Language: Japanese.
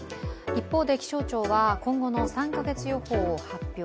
一方で、気象庁は今後の３か月予報を発表。